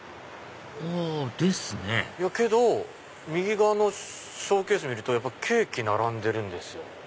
あですねけど右側のショーケース見るとケーキ並んでるんですよ。